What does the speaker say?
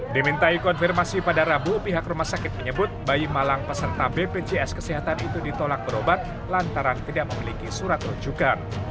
dimintai konfirmasi pada rabu pihak rumah sakit menyebut bayi malang peserta bpjs kesehatan itu ditolak berobat lantaran tidak memiliki surat rujukan